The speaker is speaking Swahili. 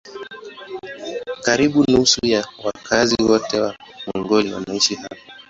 Karibu nusu ya wakazi wote wa Mongolia wanaishi hapa.